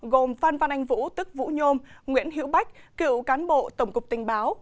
gồm phan văn anh vũ tức vũ nhôm nguyễn hiễu bách cựu cán bộ tổng cục tình báo